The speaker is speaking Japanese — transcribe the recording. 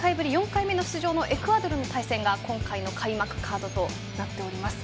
４回目の出場のエクアドルの対戦が今回の開幕カードとなっています。